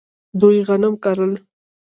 دوی غنم کرل.